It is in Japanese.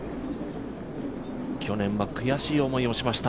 去年は悔しい思いをしました。